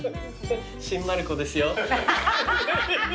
新丸子ですよ。